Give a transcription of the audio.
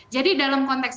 jadi dalam kontrak itu